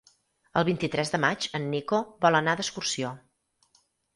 El vint-i-tres de maig en Nico vol anar d'excursió.